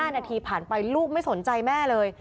๕นาทีผ่านไปลูกไม่สนใจแม่เลย